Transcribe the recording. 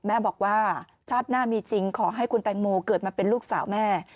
แม่บอกว่าชาติหน้ามีจริงขอให้คุณแตงโมเกิดมาเป็นลูกสาวแม่